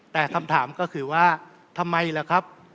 แต่คำถามก็คือว่าทำไมล่ะครับ